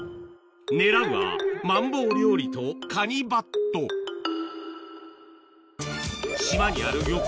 狙うはマンボウ料理とカニばっと島にある漁港